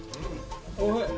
おいしい。